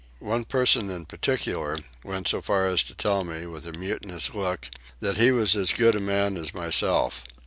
One person in particular went so far as to tell me, with a mutinous look, that he was as good a man as myself.